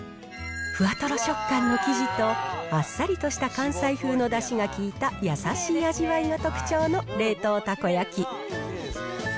ふわとろ食感の生地と、あっさりとした関西風のだしが効いた優しい味わいが特徴の冷凍たこ焼き。